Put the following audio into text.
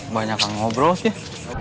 banyak yang ngobrol sih